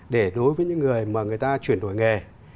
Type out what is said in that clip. để đối với những người mà người ta chuyển đổi nghề